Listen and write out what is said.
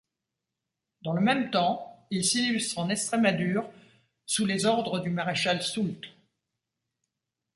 Dans le même temps, il s'illustre en Estrémadure sous les ordres du maréchal Soult.